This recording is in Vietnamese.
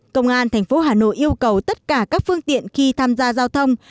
công an tp hà nội yêu cầu tất cả các phương tiện khi tham gia giao thông